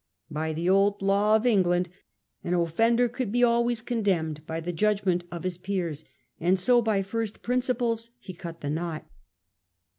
By the old law of England an offender could be always condemned by the judgment of his peers, and so by first principles he cut the knot.